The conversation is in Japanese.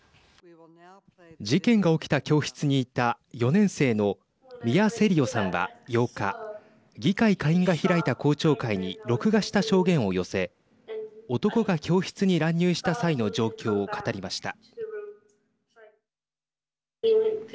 事件が起きた教室にいた４年生のミア・セリヨさんは８日議会下院が開いた公聴会に録画した証言を寄せ男が教室に乱入した際の状況を語りました。